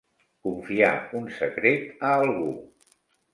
Confiar un secret a algú.